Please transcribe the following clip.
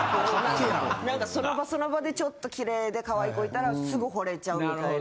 なんかその場その場でちょっと綺麗で可愛い子いたらすぐ惚れちゃうみたいな。